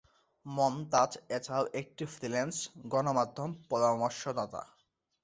মমতাজ এছাড়াও একটি ফ্রিল্যান্স গণমাধ্যম পরামর্শদাতা।